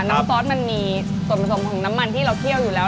น้ำซอสมันมีส่วนผสมของน้ำมันที่เราเคี่ยวอยู่แล้ว